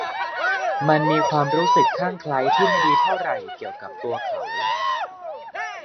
มันมีความรู้สึกคลั่งไคล้ที่ไม่ดีเท่าไหร่เกี่ยวกับตัวเขา